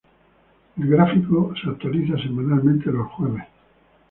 El gráfico se actualiza semanalmente los jueves.